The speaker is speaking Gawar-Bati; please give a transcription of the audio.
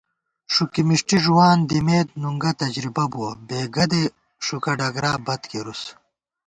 ݭُکی مِݭٹی ݫُوان دِمېت نُنگہ تجرِبہ بُوَہ بےگدےݭُکہ ڈگرا بت کېرُس